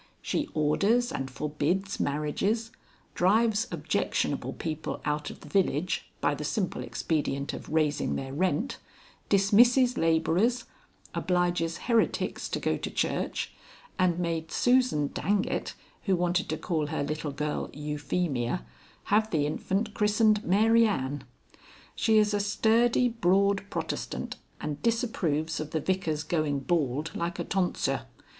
She orders and forbids marriages, drives objectionable people out of the village by the simple expedient of raising their rent, dismisses labourers, obliges heretics to go to church, and made Susan Dangett, who wanted to call her little girl 'Euphemia,' have the infant christened 'Mary Anne.' She is a sturdy Broad Protestant and disapproves of the Vicar's going bald like a tonsure.